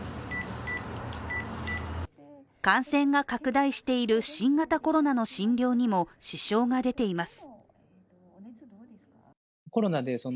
感染が拡大している新型コロナの診療にも支障が出ています。